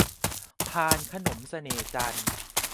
พานขนมเสน่ห์จันทร์